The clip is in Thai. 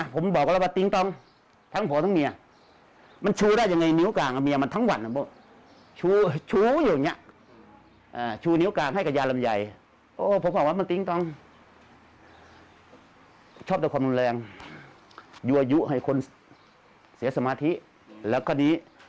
ผมยัดไม่อยู่สิผมยัดคืนเมียมราชหนีก่อน